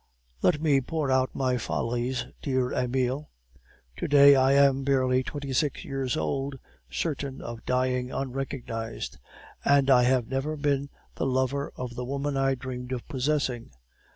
"Let me pour out my follies, dear Emile; to day I am barely twenty six years old, certain of dying unrecognized, and I have never been the lover of the woman I dreamed of possessing.